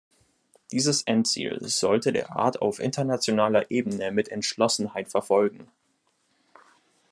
Dieses Endziel sollte der Rat auf internationaler Ebene mit Entschlossenheit verfolgen.